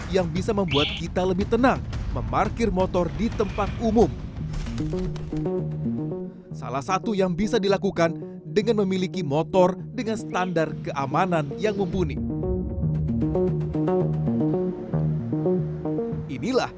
yang pertama adalah kita kan sekarang ada di era perbatasan perpindahan dari motor konvensional ke motor listrik